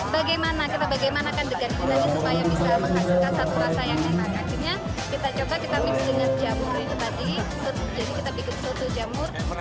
bagaimana kita bagaimanakan degan ini supaya bisa menghasilkan satu rasa yang enak